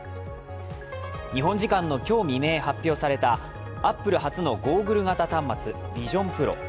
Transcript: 日本時間の今日未明、発表されたアップル初のゴーグル型端末、ＶｉｓｉｏｎＰｒｏ。